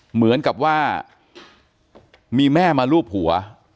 เหมือนกับว่ามีแม่มารูปหัว